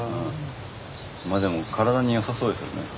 まあでも体によさそうですよね。